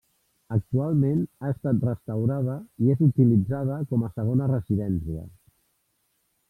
Actualment ha estat restaurada i és utilitzada com a segona residència.